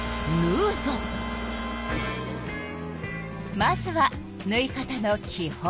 まずはぬい方のき本。